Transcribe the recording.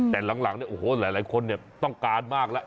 แต่หลังเนี่ยโอ้โหหลายคนต้องการมากแล้ว